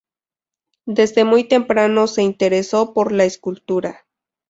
Desde muy temprano se interesó por la escultura.